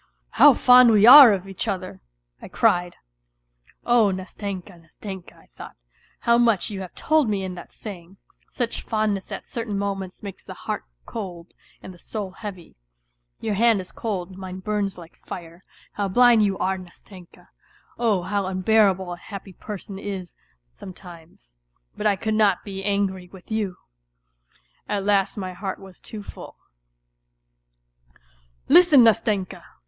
" How fond we are of each other !" I cried. (" Oh, Nastenka, Nastenka," I thought, " how much you have told me in that saying ! Such fondness at certain moments makes the heart cold and the soul heavy. Ynur_hai\d is cold, mine burns like fire. How blind you are, Nastenka !... Oh, how unbearable a happy person is sometimes ! But I could not be angry with you !") At last my heart was too full. " Listen, Nastenka